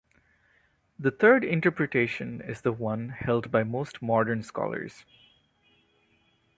The third interpretation is the one held by most modern scholars.